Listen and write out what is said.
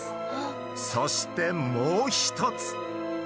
そしてもう一つ。